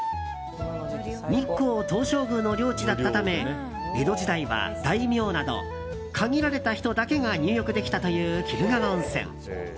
日光東照宮の領地だったため江戸時代は大名など限られた人だけが入浴できたという鬼怒川温泉。